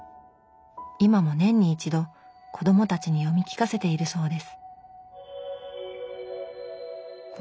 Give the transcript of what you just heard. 今も年に一度子どもたちに読み聞かせているそうです